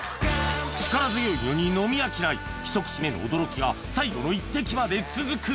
力強いのに飲み飽きないひと口目の驚きは最後の一滴まで続く！